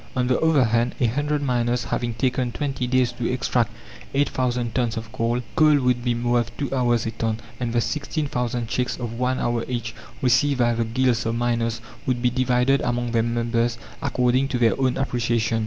On the other hand, a hundred miners having taken twenty days to extract eight thousand tons of coal, coal would be worth two hours a ton, and the sixteen thousand cheques of one hour each, received by the Guild of Miners, would be divided among their members according to their own appreciation.